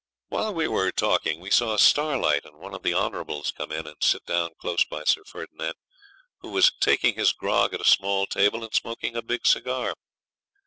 While we were talking we saw Starlight and one of the Honourables come in and sit down close by Sir Ferdinand, who was taking his grog at a small table, and smoking a big cigar.